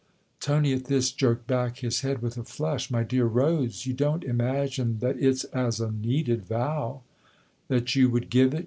Tony, at this, jerked back his head with a flush. " My dear Rose, you don't imagine that it's as a needed vow "" That you would give it